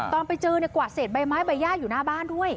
ตอนไปเจอเนี่ยกวาดเศษใบไม้ใบย่าอยู่หน้าบ้านด้วย